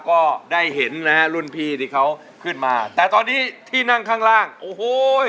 ก็ได้เห็นนะฮะรุ่นพี่ที่เขาขึ้นมาแต่ตอนนี้ที่นั่งข้างล่างโอ้โห